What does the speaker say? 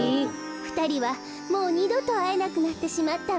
ふたりはもうにどとあえなくなってしまったわ。